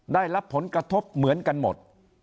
ได้รับผลกระทบเหมือนกันหมด